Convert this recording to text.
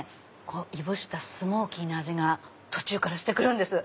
いぶしたスモーキーな味が途中からしてくるんです。